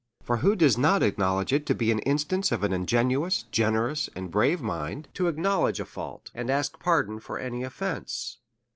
For who does not acknowledge it an instance of an ingenuous, gener ous, and brave mind, to acknowledge a fault, and ask pardon for any offence?